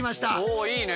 おいいね。